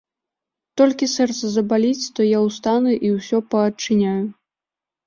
Толькі сэрца забаліць, то я ўстану і ўсё паадчыняю.